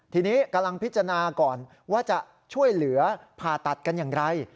ทีนี้กำลังพิจารณาก่อนว่าจะช่วยเหลือผ่าตัดกันอย่างไร